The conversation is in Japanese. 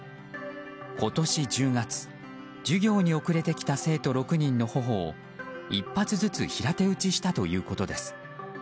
今年１０月、授業に遅れてきた生徒６人の頬を１発ずつ平手打ちしたということです。